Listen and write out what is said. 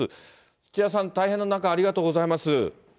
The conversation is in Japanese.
土屋さん、大変な中、ありがとうございます。